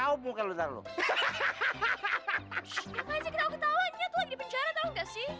ssst ngapain sih keraup ketawanya tuh lagi di penjara tau nggak sih